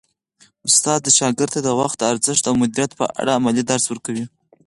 استاد شاګرد ته د وخت د ارزښت او مدیریت په اړه عملي درس ورکوي.